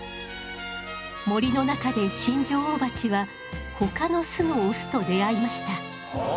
森の中で新女王蜂はほかの巣のオスと出会いました。